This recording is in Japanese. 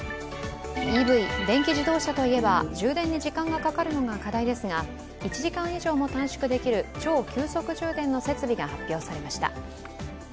ＥＶ＝電気自動車といえば充電に時間がかかるのが課題ですが１時間以上も短縮できる超急速充電の設備が発表されました。